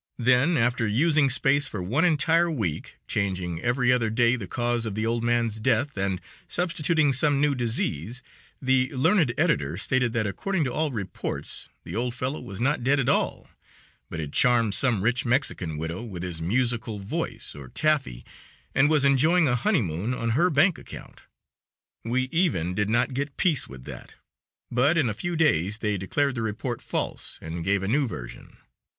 Then, after using space for one entire week, changing every other day the cause of the old man's death and substituting some new disease, the learned editor stated that according to all reports the old fellow was not dead at all, but had charmed some rich Mexican widow with his musical voice or taffy and was enjoying a honeymoon on her bank account. We even did not get peace with that, but in a few days they declared the report false and gave a new version.